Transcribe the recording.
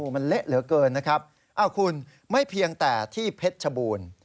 มันเละเหลือเกินนะครับคุณไม่เพียงแต่ที่เพชรชบูรณ์